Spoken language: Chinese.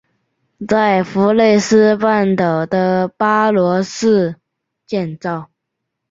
在弗内斯半岛的巴罗市建造。